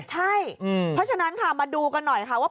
ใช่เพราะฉะนั้นค่ะมาดูกันหน่อยค่ะว่า